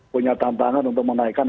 punya tantangan untuk menaikkan